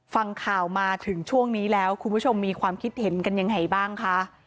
ฟังข่าวมาถึงช่วงนี้แล้วคุณผู้ชมมีความคิดเห็นกันยังไงบ้างคะ